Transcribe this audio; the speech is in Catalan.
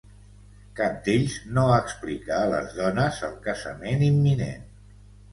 Cap d'ells no explica a les dones el casament imminent.